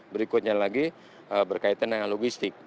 berikutnya lagi berkaitan dengan logistik